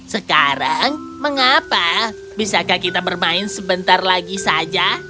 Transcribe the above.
sekarang mengapa bisakah kita bermain sebentar lagi saja